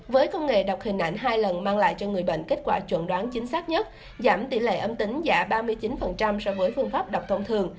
với công nghệ đọc hình ảnh hai lần mang lại cho người bệnh kết quả chuẩn đoán chính xác nhất giảm tỷ lệ âm tính giả ba mươi chín so với phương pháp đọc thông thường